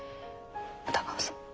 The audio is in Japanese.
宇田川さん